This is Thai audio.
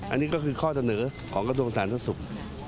อันนี้ก็คือข้อเสนอของกระทรวงสาธารณสุข